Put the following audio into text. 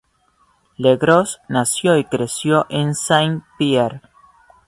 Le Gros nació y creció en Saint-Pierre.